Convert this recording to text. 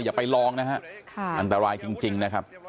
อย่าไปลองนะฮะอันตรายจริงนะครับ